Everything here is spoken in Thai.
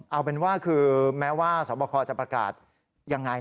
เอาเป็นว่าคือแม้ว่าสวบคจะประกาศยังไง